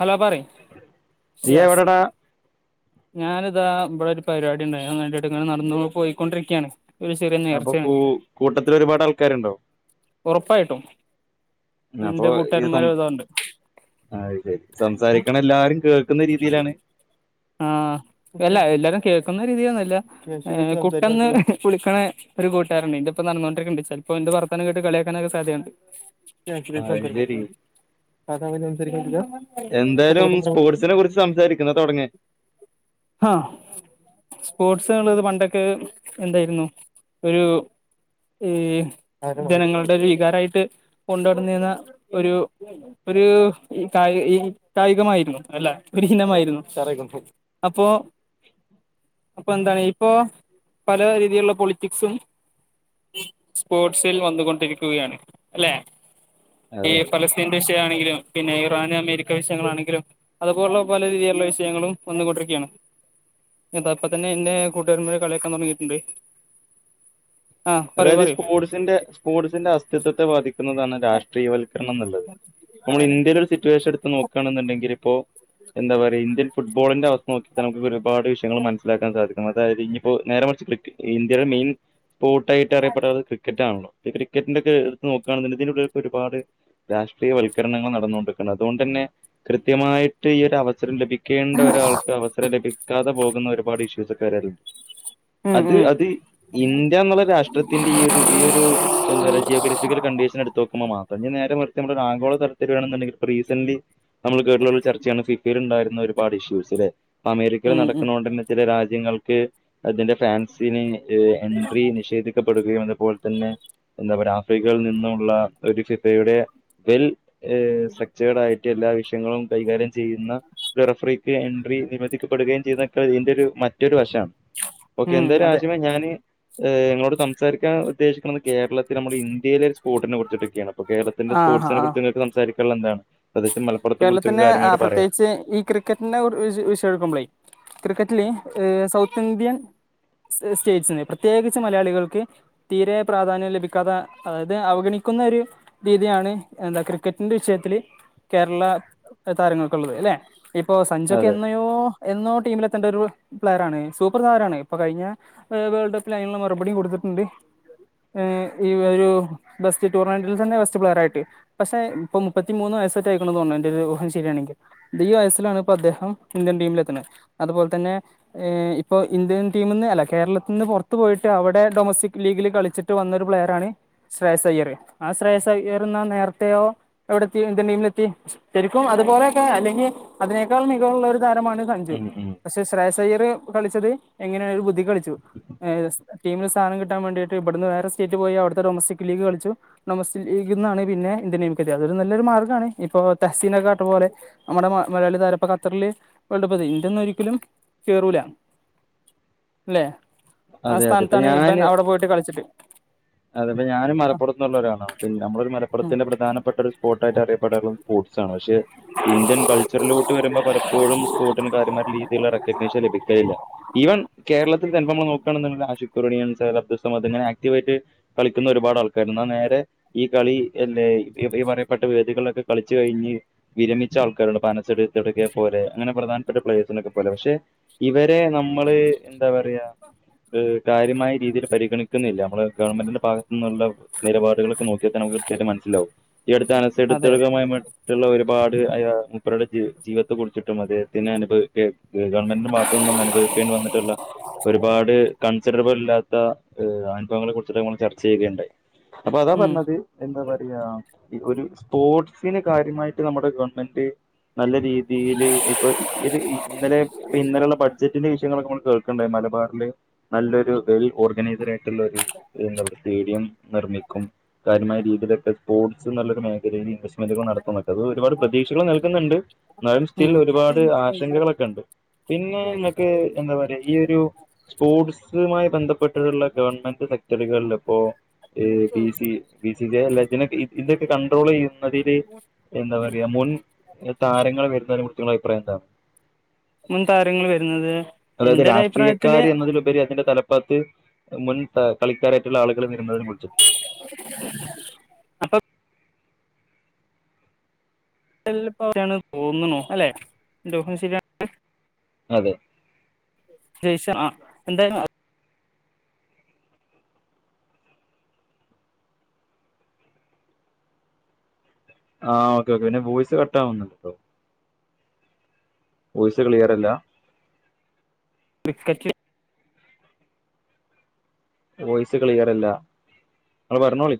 Hello പറയ് നീ സിയാസ് എവിടെടാ ഞാനിതാ ഇവിടെ ഒരു പരിപാടി ഉണ്ടായി ഞാൻ ഇടയിൽ ഇങ്ങനെ നടന്നു പോയിക്കൊണ്ടിരിക്കയാണ് ഒരു ചെറിയ അപ്പൊ നേർച്ചയാണ് കൂ കൂട്ടത്തിൽ ഒരുപാട് ആൾക്കാരുണ്ടോ ഉറപ്പായിട്ടും അപ്പൊ എന്റെ ഇത് സം കൂട്ടുകാരന്മാര് ഒരുപാടുണ്ട് അത് ശരി സംസാരിക്കണ എല്ലാരും കേൾക്കുന്ന രീതിയിലാണ് ആ അല്ല എല്ലാരും കേൾക്കുന്ന രീതിയിലൊന്നുവല്ല. കുട്ടന്ന് വിളിക്കണ ഒരു കൂട്ടുകാരനുണ്ട് എൻ്റൊപ്പം നടന്നോണ്ടിരിക്കുന്നുണ്ട്. ചിലപ്പോ എന്റെ വർത്താനം കേട്ട് കളിയാക്കാനൊക്കെ സാധ്യതയുണ്ട്. [inaudible] അത് ശരി അത അങ്ങനെ സംസാരിക്കാൻ പറ്റൂല്ല എന്തായാലും സ്പോർട്സിനെ കുറിച്ച് സംസാരിക്കണ തുടങ്ങ് എ ആഹ സ്പോർട്സ് എറീണത്പണ്ടൊക്കെ എന്തേയ്രുന്നു അ് ഒരു ജനങ്ങളുടെ ഒരു വികാരമായിട്ട് കൊണ്ടട്ന്നീന്ന ഒരു ഒരു കായി ഈ കായികമായിരുന്നു അല്ല ഒരു ഹിനമായിരുന്നു. അപ്പോഅപ്പൊ എന്താണ് ഇപ്പോപല രീതിയിലുള്ള പൊളിറ്റിക്സും സ്പോർട്സിൽ വന്നുകൊണ്ടിരിക്കുകയാണ് അല്ലെ ഈ അതെ അതെ ഫലസ്തീന്റെ ഇ ട്ടാണെങ്കിലും പിന്നെ ഇറാൻ അമേരിക്ക വിഷയങ്ങളാണെങ്കിലും അതുപോലുള്ള പല രീതിയിലുള്ള വിഷയങ്ങളും വന്നു കൊണ്ടിരിക്ക്യാണ് അത അപ്പ തന്നെ എന്റെ കൂട്ടുകാരന്മാരെ കള്യാക്കാൻ തുടങ്ങിയിട്ടുണ്ട് ആഹ് പറയൂ അതായത്ഈ പറയൂ സ്പോർട്സിന്റെ സ്പോർട്സിന്റെസ്ഥ തത്വ ബാധി ക്കുന്നതാണ് രാഷ്ട്രീയവൽക്കരണം എന്ന് ള്ളെ നമ്മൾ ഇന്ത്യയില് ഒരു സിറ്റുവേഷൻ എടുത്ത് നോക്കാണ്ന്ന്ണ്ടെങ്കിൽ ഇപ്പോ എന്താ പറയാ ഇന്ത്യൻ ഫുട്ബോളിന്റെ അവസ്ഥ നോക്കി നമുക്ക് ഒരുപാട് വിഷയങ്ങൾ മനസിലാക്കാൻ സാധിക്കും അതായത് ഇനിയിപ്പോ നേരെമറിച്ച് ക്രിക്കറ്റി ഇന്ത്യടെ മെയിൻ സ്പോർട്- ട്ടായിട്ട് അറിയപ്പെടണത് ക്രിക്കറ്റ് ആണല്ലോ ക്രിക്കറ്റിന്റെ ഒക്കെ എടുത്ത് നോക്കാണെങ്കി ഇതിന്റുള്ളിലൊക്കെ ഒരുപാട് രാഷ്ട്രീയവൽക്കരണങ്ങൾ നടന്നുകൊണ്ടിരിക്കുന്നത് അതോണ്ടന്നെ കൃത്യമായിട്ട് ഈ ഒരു അവസരം ലഭി ക്കേണ്ട ഒരാൾക്ക് അവസരം ലഭിക്കാതെ പോകുന്ന ഒരുപാട് ഇഷ്യൂസ്ണ്ട്. കരൽ ഉം അത് ഉം അത് ഇന്ത്യാന്നുള്ള രാഷ്ട്ര ത്തിന്റെ ഈ ഒരു ഈ ഒരു എന്താ ജിയോഗ്രഫിക്കൽ കണ്ടീഷനെടുത്തോക്കുമ്പോ തന്നെ നേരെ മർച്ച് നമ്മളൊരു ആഗോള തലത്തിൽ ആണെന്നുണ്ടെങ്കിൽ സീസന്റി നമ്മള് കേട്ടുള്ള ഒരു ചർച്ചയാണ് ഫിഫീൽ ബണ്ടായിരുന്ന ഒരുപാട് ഇഷ്യൂസ് ലെ ഇപ്പോ അമേരിക്കയിൽ ഉം ഉം നടക്കണോണ്ടന്നെ തന്നെ ചില രാജ്യങ്ങൾ അതിന്റെ ഫാൻസിന് എൻട്രി നിഷേധിക്ക അതുപോലെ തന്നെ എന്താ പറയ ആഫ്രിക്കയിൽ നിന്നുള്ള ഒരു ഫിഫയുടെ വെൽ ഏ സലക്ചേഡ് ആയിട്ട് എല്ലാ വിഷയങ്ങളും കൈകാര്യം ചെയ്യുന്ന ഗറഫ്രക്ക് എൻ നിർിക്കപ്പെടുകയും ചെയ്യുന്നതൊക്കെ ഇതിൻന്റെറെ ഒരു മറ്റൊരു വശമാണ് ഓക്കെ ഉം എന്തരു അതെ ആശ്യമ ഞാന് ഞങ്ങോട് സംസാരിക്കാൻ ഉദ്ദേശിക്കുന്നത് കേരളത്തിൽ നമ്മൾ ഇന്ത്യയിലെ സ്പോട്ടിന കുച്ചിൊക്കെയാണ് അ കേരളത്തിന്റെ ആഹ് സ്പോട്സെനെ ആഹ് കുറിച്ച് നിങ്ങൾക് സംസരിക്കും ല്ലന്താണ് കേരളത്തിന് പ്രത്യേകിച്ച് ഈ ക്രിക്കറ്റിനെ വിഷ എടുക്കുമ്പോളേ ക്രിക്കറ്റില് ഏ സൗത്ത് ഇന്ത്യൻ സ്റ്റേറ്റ്സ്ന്ന് പ്രത്യേകിച്ച് മലയാളികൾക്ക് തീരെ പ്രാധാന്യം ലഭിക്കാത അതായത് അവഗണിക്കുന്ന ഒരു രീതിയാണ് എന്താ ക്രിക്കറ്റിന്റെ വിഷയത്തില്ൽ കേരള താരങ്ങൾക്കുള്ളത് അല്ലെ ഇപ്പൊ സഞ്ജക്കെ അതെ എന്നയോ എന്നോ ടീമിലെത്തേണ്ട ഒരു പ്ലെയർറാണ് സൂപ്പർ സാരാണ് ഇപ്പൊ കഴിഞ്ഞ വേൾഡ് കപ്പിൽ അതിനുള്ള മറുപടി കൊടുത്തിട്ടുണ്ട് ഈ ഒരു ബെസ്റ്റ് ടൂർണമെന്റിൽ തന്നെ ബെസ്റ്റ് പ്ലെയർ ആയിട്ട് പക്ഷെ ഇപ്പൊ മുപ്പത്തിമൂന്ന് വയസ്സ് സെറ്റ് അയ്ക്കുണു എന്റെ ഒരു ഉഹം ശരിയാണെങ്കിൽ അ ഈ വയസ്സിലാണ് ഇപ്പോ അദ്ദേഹം ഇന്ത്യൻ ടീമിലെത്തുന്നത് അതുപോലെ തന്നെ ഇപ്പൊ ഇന്ത്യൻ ടീമന്ന് അല്ല കേരളത്തിൽന്ന് പുറത്ത്പോയിട്ട് അവിടെ ഡൊമസ്റ്റിക് ലീഗിൽ കളിച്ചിട്ട് വന്നൊരു പ്ലെയർറാണ് ശ്രേയസ അയ്യർ ആ ശ്രേയസയ്യർ എന്ന നേരത്തെയോ എവിടെ ഇന്ത്യൻ ടീമിൽ ശരിക്കും അതുപോലെയൊക്കെ അല്ലെങ്കിൽ അതിനേക്കാൾ മികവുള്ളരു താരമാണ് കഞ്ചു ഉം ഉം. പക്ഷെ ശ്രയസ് പെയർ കളിച്ചത്ങ്ങനെയാണ് ഒരു ബുദ്ധിളിച്ചു ടീമി സ്ഥാനം കിട്ടാൻ വേണ്ടിയിട്ട് ഇവിടുന്ന് വേറെ സ്റ്റേറ്റ് പോയി അവിത്തെ ഡൊമസ്റ്റക് ലീഗ് കളിച്ചു ഡൊമസ്റ്റക് ലീഗ നിന്നാണ് പിന്നെ ഇന്ത്യൻ ടീമ കെത്തിയത് അതരു നല്ലൊരു മാർഗമാണ് ഇപ്പൊ തഹ്‌സീന കാട്ടുപോലെ നമ്മുടെ മലയാളി താര ഇപ്പോ ഖത്തറില് വേൾഡ് കപ്പ് ഇന്ത്യന്ന ഒരിക്കലും കേറൂലാണ് അല്ലെ ആ അതെ അതെ ഇപ്പൊ സ്ഥാനത്താണ് ഇബൻ ഞാന് അവിടെ പോയിട്ട് കളിച്ചിട്ട് അതെപ്പ ഞാനും ആ, മലപ്പുറത്തുള്ള ഒരാളണ്നമ്മളൊരു ഉം മലപ്പുറത്തിന്റെ പ്രധാനപ്പെട്ട ഒരു സ്പോട്ടായിട്ട് അറിയപ്പൊടാനു സ്പോർട്സണ് പക്ഷെ ഇന്ത്യൻ കൾച്ചറിലോട്ട് വരുമ്പോ പലപ്പോഴും സ്പോർട്ടിന് കാര്യമാരു രീതിയിലുള്ള റെക്കഗ്നീഷൻ ലഭിക്കല്ല ഇവൻ കേരളത്തിൽ ചിലപ്പോ നമ്മൾ നോ ആഷി സുക്കൂർസ അബ്ദുസ്സമദ് ഇങ്ങനെ ആക്ടിവ് ആയിട്ട് കളിക്കുന്ന ഒരുപാട് ആൾക്കാരർ എന്നാ നേരെ ഈ കളില്ല ഈ പറയപ്പെട്ട വേദികളിലൊക്കെ കളിച്ചു കഴിഞ്ഞ് വിരമിച്ച ആൾക്കാരുണ്ട് പനസെടുടക്ക പോലെ അങ്ങനെ പ്രധാനപ്പെട്ട പ്ലെയേഴ്സിനൊക്കെ പോലെ പക്ഷെ ഇവരെ നമ്മള് എന്താ പറയാ ഇത്കാര്യമായ രീതിയിൽ പരിഗണിക്കുന്നില്ല നമ്മള് ഗവൺമെന്റന്റെ ഭാഗത്തു നിന്നുള്ള നിലപാടുകളൊക്കെ നോക്കിയാൽ നമുക്ക് കൃത്യായിട്ടം മനസ്സിലാവും ഈ അടുത്ത് അതെ അതെ അനസെടുത്തകമായിട്ടുള്ള ഒരു ഒരുപാട് അ മുപ്പരുടെ ജീവിത്തെ കുറിച്ചിട്ടും അദ്ദേഹത്തിന് അനുഭവ ഗവൺമെന്റിന്റെ ഭാഗത്തു നിന്നും അനുഭവിക്കേണ്ടി വന്നിട്ടുള്ള ഒരുപാട് കണ് അച്ചരിടപ്പ ഇലാത്തഅനുഭവങ്ങളെ കുറിച്ചിട്ട് നമ്മൾ ചർച്ച ചെയ്യുകയുണ്ടായി അപ്പൊ അതാ ഉം പറഞ്ഞത് എന്താ പറയ അ ഒരു സ്പോർട്സിന് കാര്യമായിട്ട് നമ്മുടെ ഗവൺമെന്റ് നല്ല രീതിയിൽ ഇപ്പൊ ഇന്നലെ ഇ ഇന്നലെയുള്ള ബഡ്ജറ്റിന്റെ വിഷയങ്ങളൊക്കെ നമ്മള് കേൾക്കണ്ടായി മല മലബാറിൽ നല്ലൊരു വെൽ ഓർഗനൈസർ ആയി എല്ലാരും സ്റ്റേഡിയം നിർമ്മിക്കും കാര്യമായ രീതിയിലൊക്കെ സ്പോർട്സ് അത്‌ നല്ല മേഖലയിൽ ഇൻവെ മെന്റ് ഒക്കെ നടത്തുന്നു അത് ഒരുപാട് പ്രതീക്ഷകൾ നൽകുന്നുണ്ട്. എന്നാലും സ്റ്റിൽ ഉം ഒരുപാട് ആശങ്കകളൊക്കെ ഉണ്ട് പിന്നെ നിങ്ങക്ക് എന്താ പറയാ ഈ ഒരു സ്പോർട്സുമായി ബന്ധപ്പെട്ടുള്ള ഗവൺമെന്റ് [unintelligible] കൾപ്പോ എ ബി സി ഇതിനെ ഇതൊക്കെ കണ്ട്രോൾ ചെയ്യ നതില് എന്താ പറ മുൻ താരങ്ങൾ വരുന്നതിന് കുറിച്ചു നിങ്ങയുടെ അഭിപ്രായം എന്താ? മുൻ താരങ്ങൾ വരുന്നത് എന്റെരഭിപ്രായ കാര്യ എന്നതിലുപരി അതിന്റെ തല പാത്ത് മുൻ കളിക്കാരായിട്ടുള്ള ആളുകൾ. എന്നായാലും വിൾചെ അപ്പൊ [unintelligible] അല്ലെ ന്റ ഊഹം ശരിയാ [unintelligible] അതെ ദേഷ്യ ആ എന്താ [unintelligible] ആ ഒക്കെയൊക്കെ പിന്നെ വോയ്സ് കട്ടാവുന്നുണ്ട്ട്ടോ വോയിസ്‌ ക്ലിയറല്ല [unintelligible] വോയിസ്‌ ക്ലിയറല്ല ങ്ങള് പറഞ്ഞോളി